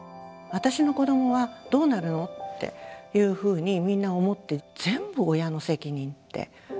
私の子どもはどうなるのっていうふうにみんな思って全部親の責任っていうふうになっていって。